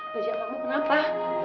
bajak kamu kenapa